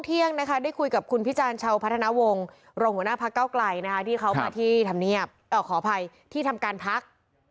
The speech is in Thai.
ที่เขามาที่ทำงานพัก